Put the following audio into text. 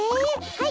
はい。